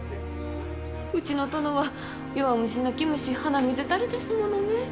うちの殿は弱虫泣き虫鼻水垂れですものね。